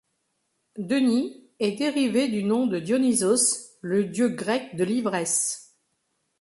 Denis est dérivé du nom de Dionysos, le dieu grec de l'ivresse.